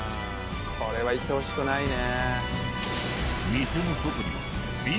これは行ってほしくないね。